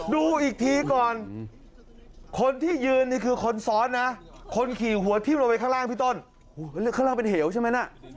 ดูอีกทีก่อนคนที่ยืนนี่คือคนซ้อนนะคนขี่หัวทิ้มลงไปข้างล่างพี่ต้นข้างล่างเป็นเหวใช่ไหมน่ะ